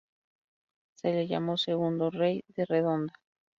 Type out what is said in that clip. Se le llamó segundo Rey de Redonda.